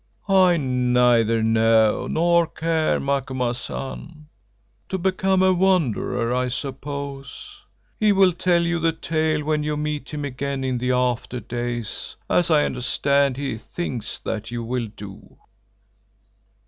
"I neither know nor care, Macumazahn. To become a wanderer, I suppose. He will tell you the tale when you meet again in the after days, as I understand he thinks that you will do.